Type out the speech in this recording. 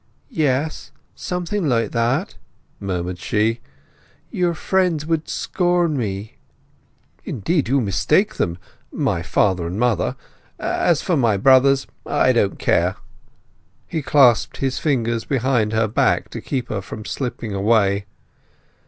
"Yes—something like that," murmured she. "Your friends would scorn me." "Indeed, you mistake them—my father and mother. As for my brothers, I don't care—" He clasped his fingers behind her back to keep her from slipping away.